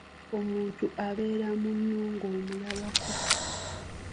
Omuntu abeera munno ng'omulabako.